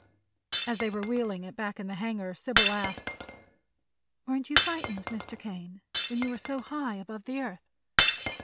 As they were wheeling it back to the hangar, Sybil asked: "Weren't you frightened, Mr. Kane, when you were so high above the earth?"